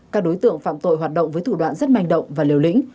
các đối tượng phạm tội hoạt động với thủ đoạn rất manh động và liều lĩnh